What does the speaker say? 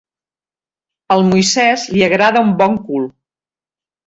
Al Moisès li agrada un bon cul.